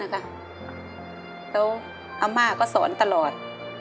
แล้วอาม่าก็สอนตลอด